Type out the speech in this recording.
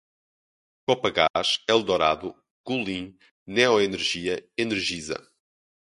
Copagaz, Eldorado, Golin, Neoenergia, Energisa